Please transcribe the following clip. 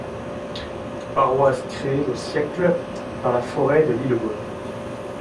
Paroisse créée aux et siècles dans la forêt de Lillebonne.